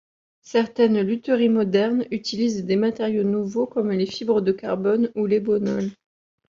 Certaines lutheries modernes utilisent des matériaux nouveaux comme les fibres de carbone ou l'ébonol.